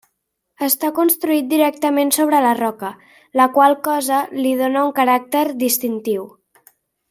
Està construït directament sobre la roca, la qual cosa li dóna un caràcter distintiu.